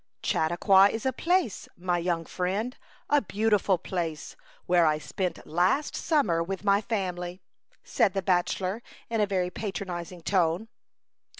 "Chautauqua is a place, , my young friend, a beautiful place, where I spent last summer with my family,'' said the bachelor in a very patron izing tone.